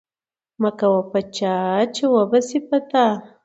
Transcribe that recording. مه کوه په چا، چي وبه سي په تا